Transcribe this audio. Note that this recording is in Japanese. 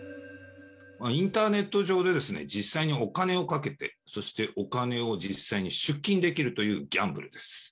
インターネット上で実際にお金を賭けて、そしてお金を実際に出金できるというギャンブルです。